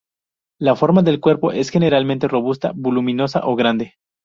La forma del cuerpo es generalmente robusta, voluminosa o grande.